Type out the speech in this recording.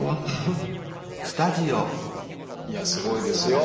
いやすごいですよ。